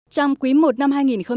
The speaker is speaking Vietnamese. trong quý i năm hai nghìn hai mươi